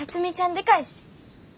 でかいし。